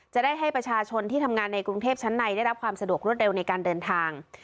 จะได้ให้ประชาชนที่ทำงานในกรุงเทพชั้นในได้รับความสะดวกรวดเร็วในการเดินทาง